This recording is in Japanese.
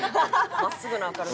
真っすぐな明るさ。